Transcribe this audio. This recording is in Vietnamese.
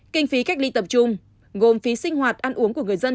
kinh phí cách ly tập trung gồm phí sinh hoạt ăn uống của người dân